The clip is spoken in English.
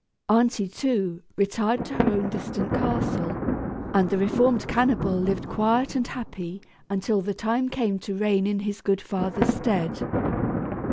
Aunty, too, retired to her own distant castle, and the reformed cannibal lived quiet and happy until the time came to reign in his good father's stead.